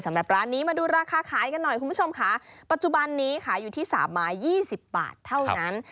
สำหรับร้านนี้มาดูราคาขายกันหน่อยคุณผู้ชมค่ะปัจจุบันนี้ขายอยู่ที่สามไม้ยี่สิบบาทเท่านั้น